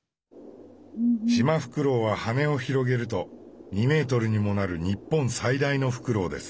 シマフクロウは羽を広げると２メートルにもなる日本最大のフクロウです。